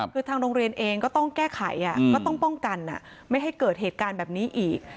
คือทางโรงเรียนเองก็ต้องแก้ไขก็ต้องป้องกันไม่ให้เกิดเหตุการณ์แบบนี้อีก